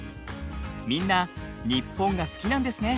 みんな日本が好きなんですね。